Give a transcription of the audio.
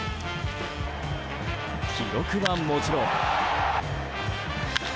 記録はもちろん。